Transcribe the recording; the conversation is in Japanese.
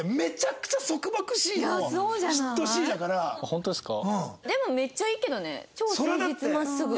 ホントですか？